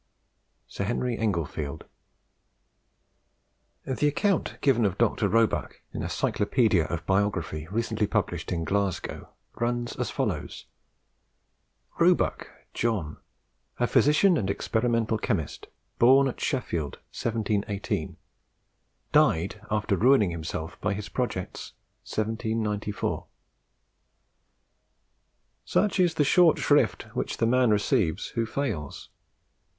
Sir Henry Englefield. The account given of Dr. Roebuck in a Cyclopedia of Biography, recently published in Glasgow, runs as follows: "Roebuck, John, a physician and experimental chemist, born at Sheffield, 1718; died, after ruining himself by his projects, 1794." Such is the short shrift which the man receives who fails.